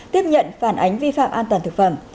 tiếp nhận phản ánh vi phạm an toàn thực phẩm